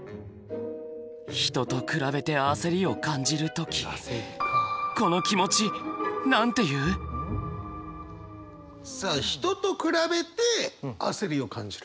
人と比べて焦りを感じる時さあ人と比べて焦りを感じる。